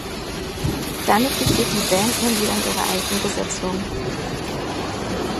Damit besteht die Band nun wieder in ihrer alten Besetzung.